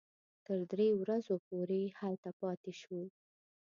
تر درې ورځو پورې هلته پاتې شوو.